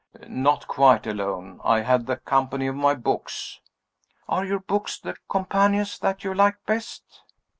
"Not quite alone. I have the company of my books." "Are your books the companions that you like best?"